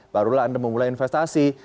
barulah anda memulai investasi